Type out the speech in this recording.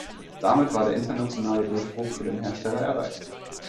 Damit war der internationale Durchbruch für den Hersteller erreicht.